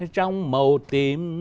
trong màu tím